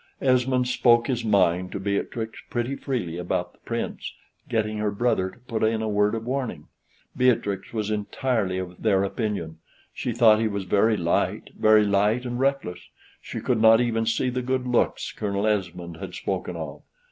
Esmond spoke his mind to Beatrix pretty freely about the Prince, getting her brother to put in a word of warning. Beatrix was entirely of their opinion; she thought he was very light, very light and reckless; she could not even see the good looks Colonel Esmond had spoken of.